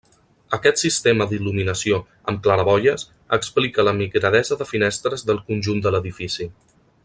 Aquest sistema d'il·luminació amb claraboies explica la migradesa de finestres del conjunt de l'edifici.